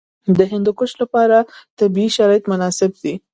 د هندوکش لپاره طبیعي شرایط مناسب دي.